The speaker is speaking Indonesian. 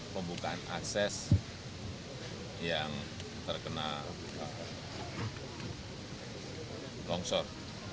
pembukaan akses yang terkena longsor